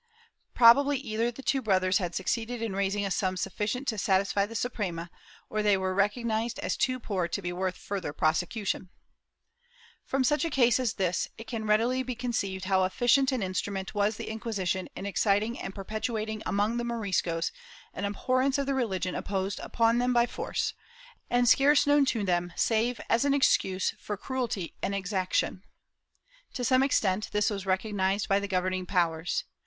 Probably either the two brothers had suc ceeded in raising a sum sufficient to satisfy the Suprema, or they were recognized as too poor to be worth further prosecution/ From such a case as this, it can readily be conceived how effi cient an instrument was the Inquisition in exciting and perpetuating among the Moriscos an abhorrence of the religion imposed on them by force, and scarce known to them save as an excuse for cruelty and exaction. To some extent this was recognized by the governing powers.